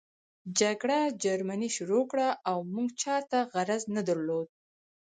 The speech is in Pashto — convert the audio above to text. جګړه جرمني شروع کړه او موږ چاته غرض نه درلود